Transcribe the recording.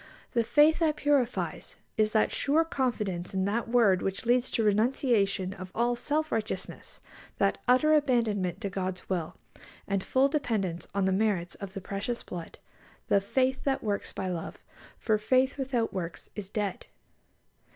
The faith that purifies is that sure confidence in that word which leads to renunciation of all self righteousness, that utter abandonment to God's will, and full dependence on the merits of "the precious blood," the "faith that works by love," for "faith without works is dead."